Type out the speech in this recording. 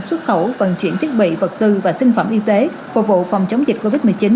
xuất khẩu vận chuyển thiết bị vật tư và sinh phẩm y tế phục vụ phòng chống dịch covid một mươi chín